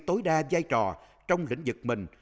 tối đa giai trò trong lĩnh vực mình